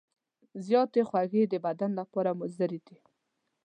زیاتې خوږې د بدن لپاره مضرې دي.